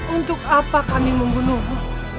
untuk apa kami membunuhmu